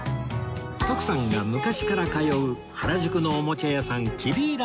徳さんが昔から通う原宿のおもちゃ屋さんキデイランドへ